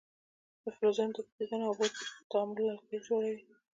د فلزونو د اکسایدونو او اوبو تعامل القلي جوړوي.